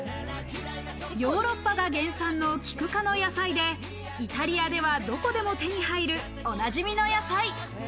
ヨーロッパが原産のキク科の野菜でイタリアではどこでも手に入る、おなじみの野菜。